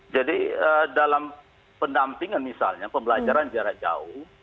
jadi dalam pendampingan misalnya pembelajaran jarak jauh